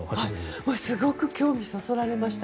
すごく興味をそそられました。